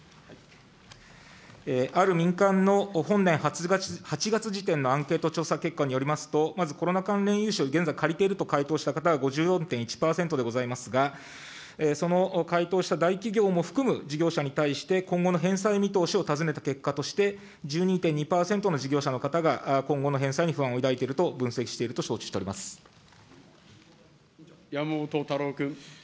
ある民間の本年８月時点のアンケート調査結果によりますと、まずコロナ関連融資を現在借りていると回答した人は５４．１％でございますが、その回答した大企業も含む事業者に対して、今後の返済見通しを尋ねた結果として、１２．２％の事業者の方が今後の返済に不安を抱いていると分析し山本太郎君。